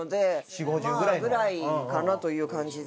４０５０ぐらいの？ぐらいかなという感じで。